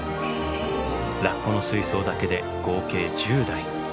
ラッコの水槽だけで合計１０台。